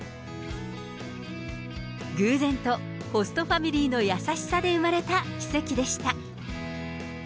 偶然とホストファミリーの優しさで生まれた奇跡でした。